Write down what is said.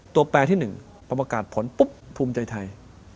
ตัวแบบที่หนึ่งประมาทกาศผลปุ๊บภูมิใจไทย